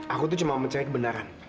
aku tuh cuma mencari kebenaran